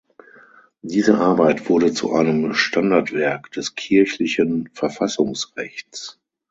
Diese Arbeit wurde zu einem Standardwerk des kirchlichen Verfassungsrechts.